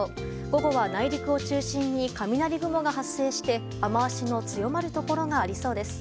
午後は内陸を中心に雷雲が発生して雨脚の強まるところがありそうです。